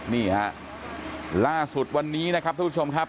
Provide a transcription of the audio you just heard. นี่ฮะล่าสุดวันนี้นะครับทุกผู้ชมครับ